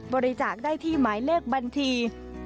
บริจาคได้ที่หมายเลขบัญธี๐๒๐๑๘๖๒๙๗๖๙๔